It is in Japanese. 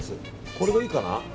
これがいいかな。